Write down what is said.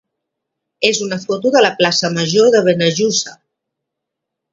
és una foto de la plaça major de Benejússer.